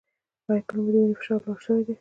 ایا کله مو د وینې فشار لوړ شوی دی؟